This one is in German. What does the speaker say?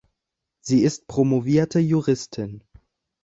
Sie ist promovierte Juristin.